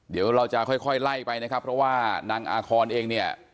เดี๋ยวเราจะค่อยไล่ไปนะครับเพราะว่านางอาคอนเองเนี่ย